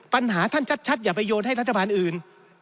ท่านชัดอย่าไปโยนให้รัฐบาลอื่น